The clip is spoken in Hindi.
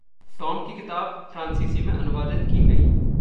टॉम की किताब फ़्रांसीसी में अनुवादित की गयी।